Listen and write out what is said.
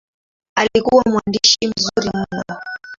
Alikuwa mwandishi mzuri mno.